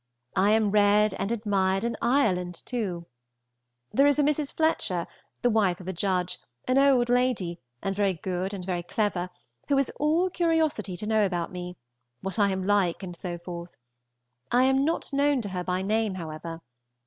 I am read and admired in Ireland too. There is a Mrs. Fletcher, the wife of a judge, an old lady, and very good and very clever, who is all curiosity to know about me, what I am like, and so forth. I am not known to her by name, however.